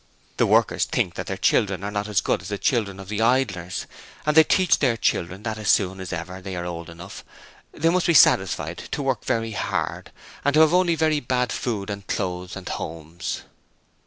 The workers think that their children are not as good as the children of the idlers, and they teach their children that as soon as ever they are old enough they must be satisfied to work very hard and to have only very bad good and clothes and homes.'